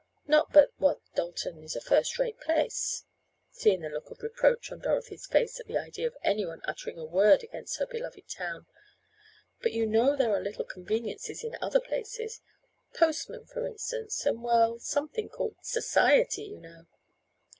Not but what Dalton is a first rate place," seeing the look of reproach on Dorothy's face at the idea of anyone uttering a word against her beloved town, "but you know there are little conveniences in other places, postmen for instance, and well something called society, you know."